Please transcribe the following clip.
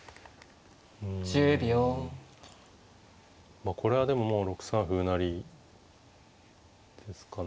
まあこれはでももう６三歩成ですかね。